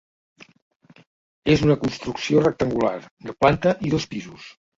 És una construcció rectangular, de planta i dos pisos.